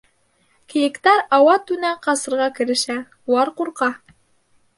Кейектәр ауа-түнә ҡасырға керешә — улар ҡурҡа.